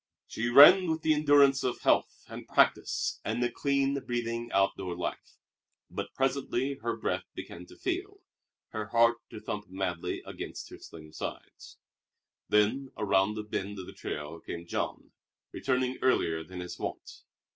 She ran with the endurance of health and practice and a clean breathing outdoor life; but presently her breath began to fail, her heart to thump madly against her slim sides. Then around a bend of the trail came Jean, returning earlier than his wont.